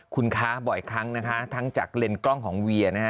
คุณคะบ่อยครั้งนะคะทั้งจากเลนส์กล้องของเวียนะฮะ